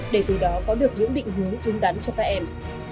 để từ đó có được những định hướng đúng đắn cho các em